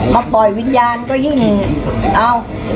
มาปล่อยวิญญาณก็ยิ่งเอา